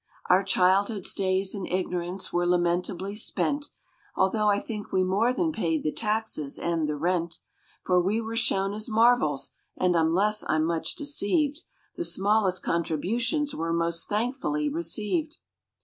Our childhood's days in ignorance were lamentably spent, Although I think we more than paid the taxes, and the rent; For we were shown as marvels, and unless I'm much deceived The smallest contributions were most thankfully received.